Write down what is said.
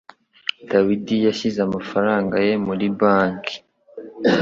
Dawidi yashyize amafaranga ye muri banki.